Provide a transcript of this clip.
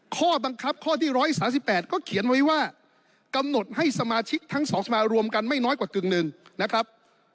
ข้อบังคับข้อที่๑๓๘ก็เขียนไว้ว่ากำหนดให้สมาชิกทั้ง๒สมารวมกันไม่น้อยกว่ากึ่งหนึ่งนะครับ